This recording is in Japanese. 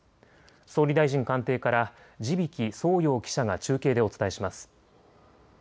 総理大臣官邸から地曳創陽記者が中継でお伝えします。